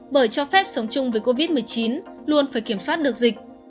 bởi cho phép sống chung với covid một mươi chín luôn phải kiểm soát được dịch